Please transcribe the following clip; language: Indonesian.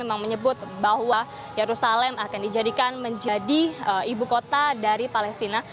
memang menyebut bahwa yerusalem akan dijadikan menjadi ibu kota dari palestina